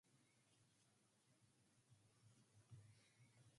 That led to the team scoring its biggest ratings in Saint Louis.